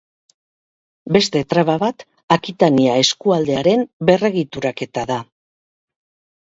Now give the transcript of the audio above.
Beste traba bat Akitania eskualdearen berregituraketa da.